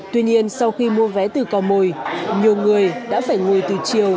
tuy nhiên sau khi mua vé từ cò mồi nhiều người đã phải ngồi từ chiều